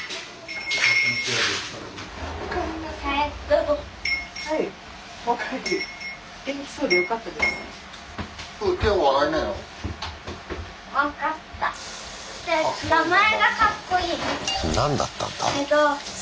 うん。何だったんだ？